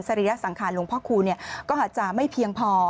ริยสังขารหลวงพ่อคูณก็อาจจะไม่เพียงพอ